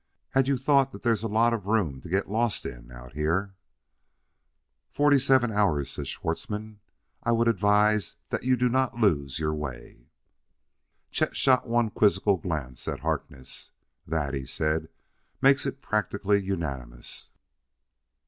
Had you thought that there's a lot of room to get lost in out here?" "Forty seven hours!" said Schwartzmann. "I would advise that you do not lose your way." Chet shot one quizzical glance at Harkness. "That," he said, "makes it practically unanimous."